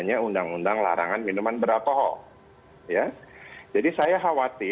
hal yang bisa yang memang masih